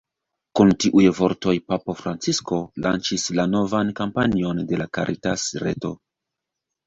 Kun tiuj vortoj papo Francisko, lanĉis la novan kampanjon de la Caritas-reto.